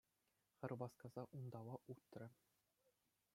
Хӗр васкаса унталла утрӗ.